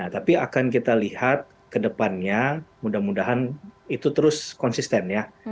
tapi akan kita lihat ke depannya mudah mudahan itu terus konsisten ya